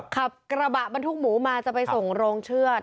ขับกระบะบรรทุกหมูมาจะไปส่งโรงเชือด